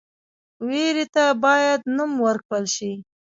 ویرې ته باید نوم ورکړل شي.